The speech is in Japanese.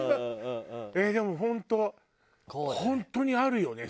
えっでも本当本当にあるよね